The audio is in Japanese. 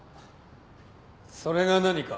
それが何か？